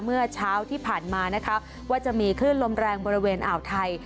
เมื่อเช้าที่ผ่านมานะคะว่าจะมีคลื่นลมแรงบริเวณอ่าวไทย